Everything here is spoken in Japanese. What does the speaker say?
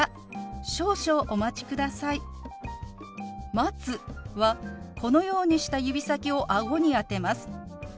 「待つ」はこのようにした指先を顎に当てます。